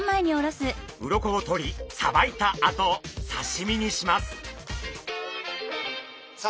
鱗を取りさばいたあと刺身にします。